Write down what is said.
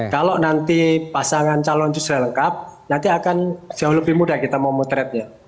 kalau nanti pasangan calon itu sudah lengkap nanti akan jauh lebih mudah kita memotretnya